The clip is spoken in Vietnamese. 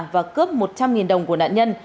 và cướp một trăm linh đồng của nạn nhân